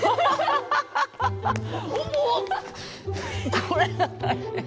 これは大変。